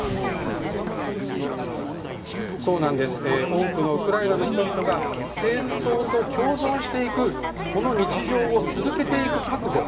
多くのウクライナの人々が戦争と共存していくこの日常を続けていく覚悟。